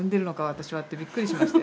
私はってびっくりしましたよ。